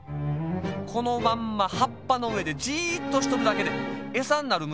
このまんまはっぱのうえでじっとしとるだけでエサになるむしが「おっ！